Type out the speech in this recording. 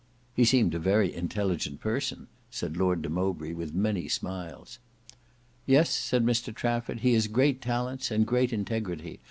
"He seemed a very intelligent person," said Lord de Mowbray with many smiles. "Yes," said Mr Trafford; "he has great talents and great integrity.